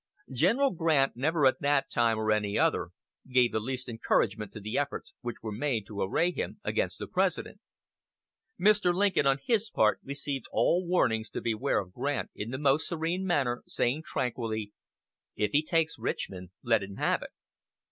General Grant, never at that time or any other, gave the least encouragement to the efforts which were made to array him against the President. Mr. Lincoln, on his part, received all warnings to beware of Grant in the most serene manner, saying tranquilly, "If he takes Richmond, let him have it."